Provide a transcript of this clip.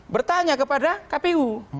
bertanya kepada kpu